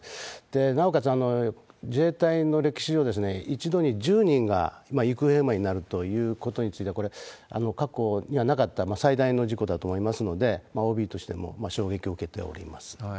なおかつ、自衛隊の歴史上、一度に１０人が行方不明になるということについては、これ、過去にはなかった最大の事故だと思いますので、ＯＢとしても衝撃を受けております。